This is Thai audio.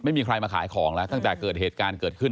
ไม่มีใครมาขายของแล้วตั้งแต่เกิดเหตุการณ์เกิดขึ้น